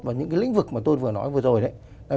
và những cái lĩnh vực mà tôi vừa nói vừa rồi đấy